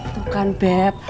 tuh kan beb